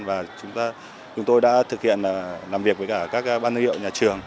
và chúng tôi đã thực hiện làm việc với các ban thương hiệu nhà trường